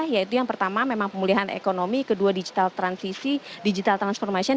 yaitu yang pertama memang pemulihan ekonomi kedua digital transisi digital transformation